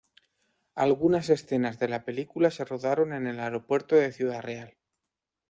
Algunas escenas de la película se rodaron en el Aeropuerto de Ciudad Real.